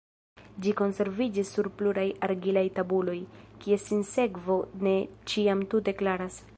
Ĝi konserviĝis sur pluraj argilaj tabuloj, kies sinsekvo ne ĉiam tute klaras.